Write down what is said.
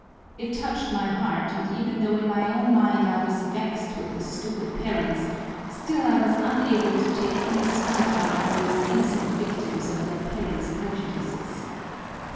It touched my heart, and even though in my own mind I was vexed with the stupid parents, still I was unable to take any spite out on those innocent victims of their parents' prejudices.